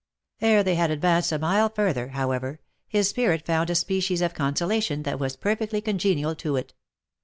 Ere they had advanced a mile further, however, his spirit found a species of consolation that was perfectly congenial to it.